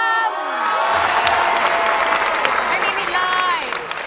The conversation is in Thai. ไม่มีผิดเลย